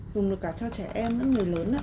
dùng được cả cho trẻ em những người lớn